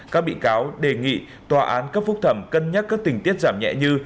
các bị cáo đề nghị tòa án cấp phúc thẩm cân nhắc các tình tiết giảm nhẹ như